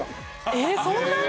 えっそんなに！？